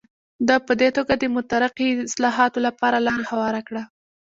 ده په دې توګه د مترقي اصلاحاتو لپاره لاره هواره کړه.